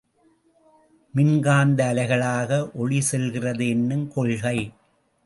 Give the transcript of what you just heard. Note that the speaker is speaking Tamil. மின்காந்த அலைகளாக ஒளி செல்கிறது என்னுங் கொள்கை.